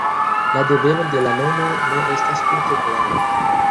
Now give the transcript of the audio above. La deveno de la nomo ne estas tute klare.